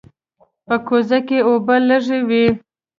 په کوزه کې اوبه لږې وې.